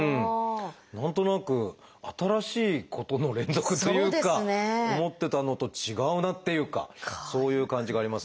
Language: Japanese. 何となく新しいことの連続っていうか思ってたのと違うなっていうかそういう感じがありますね。